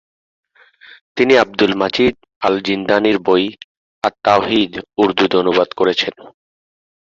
তিনি Abdul Majid আল-জিনদানির বই "আত তাওহীদ" উর্দুতে অনুবাদ করেছেন।